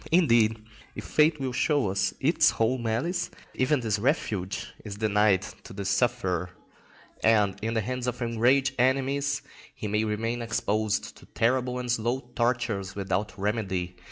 Indeed, if fate will show its whole malice, even this refuge is denied to the sufferer, and, in the hands of enraged enemies, he may remain exposed to terrible and slow tortures without remedy.